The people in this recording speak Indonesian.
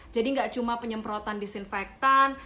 jadi nggak cuma penyemprotan disinfektan